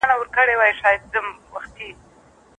بنسټیزي څېړني د مسایلو په پوهېدلو کي مرسته کوي.